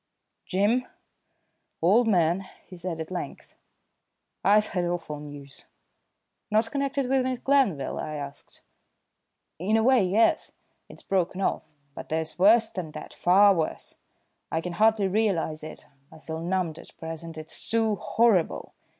"Jim, old man," he said at length, "I've had awful news." "Not connected with Miss Glanville?" I asked. "In a way, yes. It's broken off, but there's worse than that far worse. I can hardly realise it; I feel numbed at present; it's too horrible.